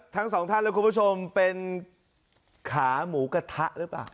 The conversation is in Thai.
ทั้งสองท่านและคุณผู้ชมเป็นขาหมูกระทะหรือเปล่า